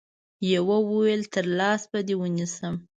يوه ويل تر لاس به دي ونيسم